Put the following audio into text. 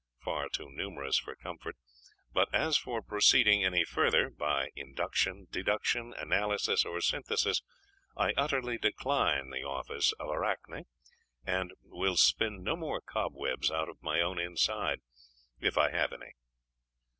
far too numerous for comfort .... but as for proceeding any further, by induction, deduction, analysis, or synthesis, I utterly decline the office of Arachne, and will spin no more cobwebs out of my own inside if I have any.